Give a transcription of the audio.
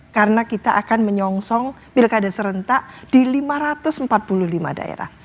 karena kita akan menyongsong bila ada serentak di lima ratus empat puluh lima daerah